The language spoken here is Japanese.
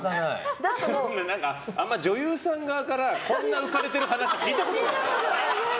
あんま女優さん側からこんな浮かれてる話聞いたことない。